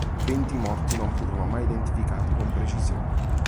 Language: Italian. Venti morti non furono mai identificati con precisione.